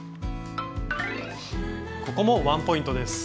ここもワンポイントです。